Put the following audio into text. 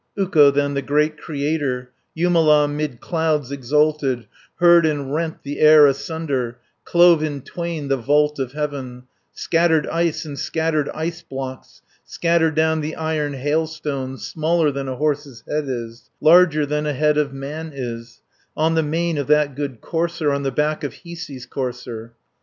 Ukko then, the great Creator, Jumala 'mid clouds exalted, Heard and rent the air asunder, Clove in twain the vault of heaven, Scattered ice, and scattered iceblocks, Scattered down the iron hailstones, Smaller than a horse's head is, Larger than a head of man is, 320 On the mane of that good courser, On the back of Hiisi's courser.